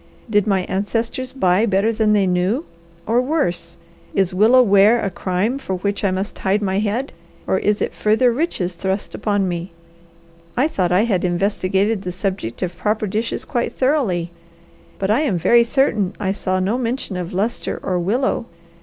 Did my ancestors buy better than they knew, or worse? Is willow ware a crime for which I must hide my head, or is it further riches thrust upon me? I thought I had investigated the subject of proper dishes quite thoroughly; but I am very certain I saw no mention of lustre or willow.